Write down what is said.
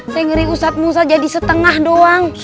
saya ngeri ustadz musa jadi setengah doang